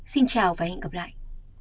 xin chào và hẹn gặp lại